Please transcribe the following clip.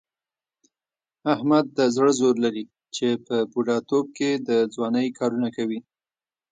احمد د زړه زور لري، چې په بوډا توب کې د ځوانۍ کارونه کوي.